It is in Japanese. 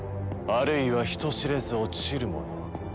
あるいは人知れず落ちるもの。